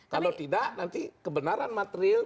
kalau tidak nanti kebenaran material